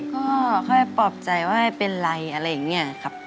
ก็ค่อยปลอบใจว่าไม่เป็นไรอะไรอย่างนี้ครับ